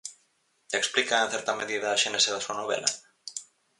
Explica, en certa medida, a xénese da súa novela?